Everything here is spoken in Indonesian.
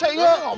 jadi begini pak